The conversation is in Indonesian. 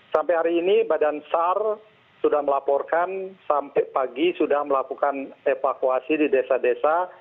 sampai hari ini badan sar sudah melaporkan sampai pagi sudah melakukan evakuasi di desa desa